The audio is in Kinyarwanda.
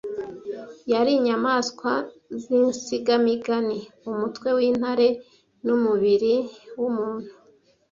yari inyamaswa zinsigamigani umutwe wintare numubiri wumuntu